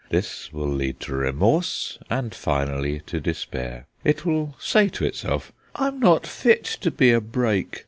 This will lead to remorse, and finally to despair. It will say to itself: 'I'm not fit to be a brake.